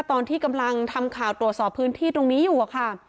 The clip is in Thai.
ตอนที่กำลังทำข่าวตรวจสอบพื้นที่ตรงนี้อยู่อะค่ะ